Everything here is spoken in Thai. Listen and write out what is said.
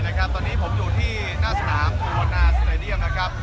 ตอนนี้ผมอยู่ที่หน้าสนามส่วนหน้าสไตดียัม